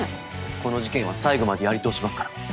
この事件は最後までやり通しますから。